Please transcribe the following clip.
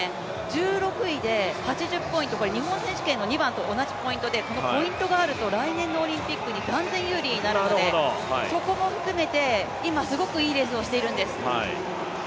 １６位で８０ポイント、日本選手権の２番と同じポイントでこのポイントがあると来年のオリンピックに断然有利になるので、そこも含めて今、すごくいいレースをしているんです。